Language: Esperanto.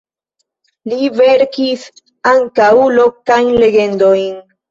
Li verkis ankaŭ lokajn legendojn.